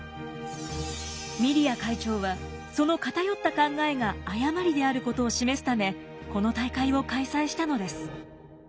ミリア会長はその偏った考えが誤りであることを示すためこの大会を開催したのです。